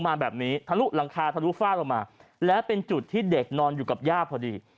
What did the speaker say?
มาแบบนี้ทะลุหลังคาทะลุฟาดลงมาและเป็นจุดที่เด็กนอนอยู่กับย่าพอดี